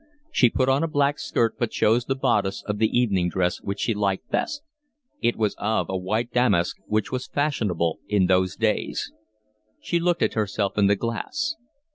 She put on a black skirt, but chose the bodice of the evening dress which she liked best: it was of a white damask which was fashionable in those days. She looked at herself in the glass.